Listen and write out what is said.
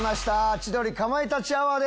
『千鳥かまいたちアワー』です。